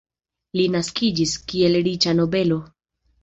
Li naskiĝis, kiel riĉa nobelo.